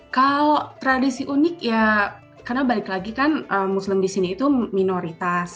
kalau tradisi unik ya karena balik lagi kan muslim di sini itu minoritas